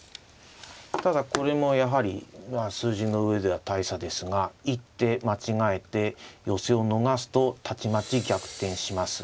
ただこれもやはり数字の上では大差ですが一手間違えて寄せを逃すとたちまち逆転します。